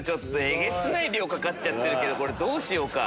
えげつない量かかってるけどこれどうしようか。